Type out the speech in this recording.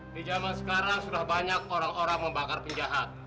di zaman sekarang sudah banyak orang orang membakar penjahat